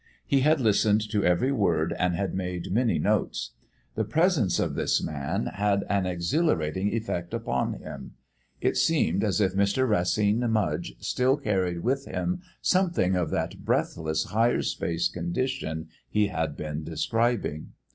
He had listened to every word and had made many notes. The presence of this man had an exhilarating effect upon him. It seemed as if Mr. Racine Mudge still carried about with him something of that breathless Higher Space condition he had been describing.